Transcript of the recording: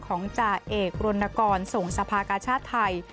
จ่าเอกรณกรส่งสภากาชาติไทย